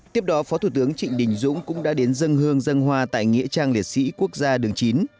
tiếp đó phó thủ tướng trịnh đình dũng cũng đã đến dân hương dân hoa tại nghĩa trang liệt sĩ quốc gia đường chín